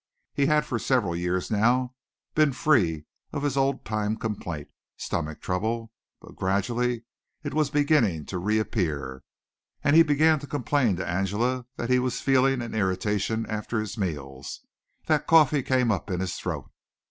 He had for several years now been free of his old time complaint, stomach trouble; but gradually it was beginning to reappear and he began to complain to Angela that he was feeling an irritation after his meals, that coffee came up in his throat.